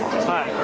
はい。